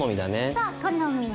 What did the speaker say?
そう好み。